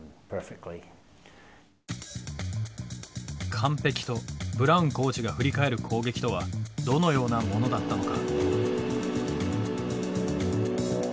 「完璧」とブラウンコーチが振り返る攻撃とはどのようなものだったのか。